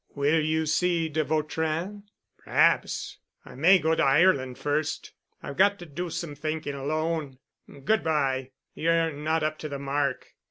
"Will you see de Vautrin?" "Perhaps. But I may go to Ireland first. I've got to do some thinking—alone. Good bye. Ye're not up to the mark.